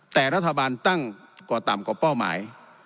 แต่รัฐบาลตั้งกว่าต่ำกว่าเป้าหมาย